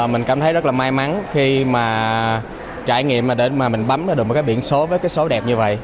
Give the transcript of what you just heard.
mình cảm thấy rất là may mắn khi mà trải nghiệm mà mình bấm được một cái biển số với cái số đẹp như vậy